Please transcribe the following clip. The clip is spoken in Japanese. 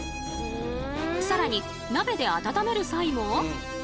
更に鍋で温める際も。